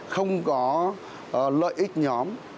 không có lợi ích nhóm